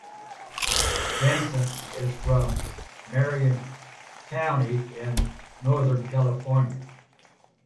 Vincent is from Marin County in Northern California.